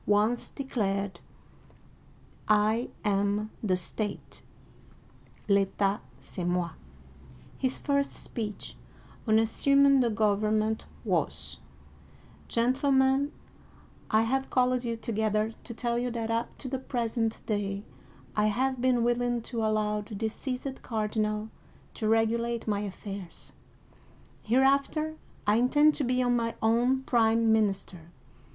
once declared, " I am the state" ("ZV/^/ c'est moV'\ His first speech on assuming the government was :" Gentlemen, I have called you together to tell you that up to the present day I have been willing to allow the de ceased cardinal to regulate my affairs. Hereafter I in tend to be my own prime minister.